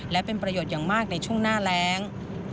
และเป็นประโยชน์อย่างมากในช่วงหน้าแรง